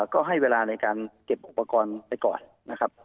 ก็ให้เวลาในการเก็บอุปกรณ์ไปก่อนนะครับ